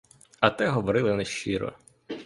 А те говорили нещиро.